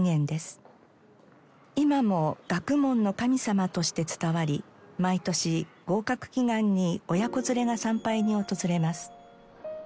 今も学問の神様として伝わり毎年合格祈願に親子連れが参拝に訪れます。